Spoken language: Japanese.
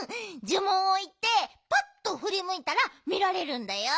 じゅもんをいってパッとふりむいたらみられるんだよ。